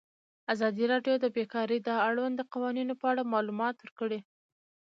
ازادي راډیو د بیکاري د اړونده قوانینو په اړه معلومات ورکړي.